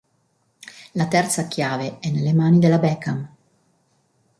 La terza chiave è nelle mani della Beckman.